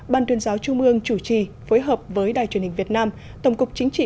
ban tuyên giáo trung ương chủ trì phối hợp với đài truyền hình việt nam tổng cục chính trị